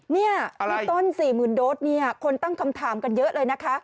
นี่ต้น๔๐๐๐โดสเนี่ยคนตั้งคำถามกันเยอะเลยนะคะ